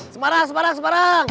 semarang semarang semarang